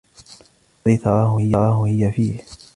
ما الذي تراهُ هيُ فيه؟